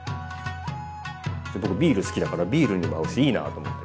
僕ビール好きだからビールにも合うしいいなと思って。